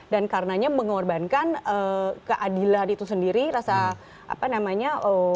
dan karenanya mengorbankan keadilan itu sendiri rasa apa namanya